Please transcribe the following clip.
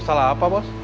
masalah apa bos